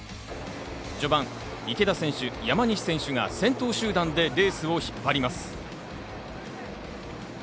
序盤、池田選手、山西選手が先頭集団でレースを引っ張ります。